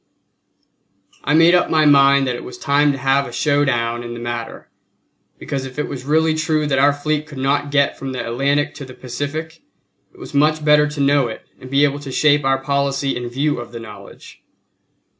I made up my mind that it was time to have a show down in the matter; because if it was really true that our fleet could not get from the Atlantic to the Pacific, it was much better to know it and be able to shape our policy in view of the knowledge.